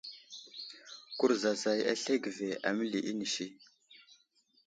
Kurzazay aslege ve ,aməli inisi.